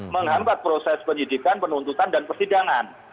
menghambat proses penyidikan penuntutan dan persidangan